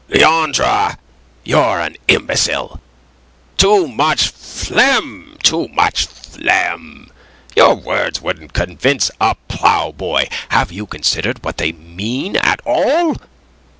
"Leandre, you're an imbecile! Too much phlegm, too much phlegm! Your words wouldn't convince a ploughboy! Have you considered what they mean at all?